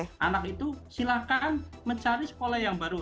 jadi itu silahkan mencari sekolah yang baru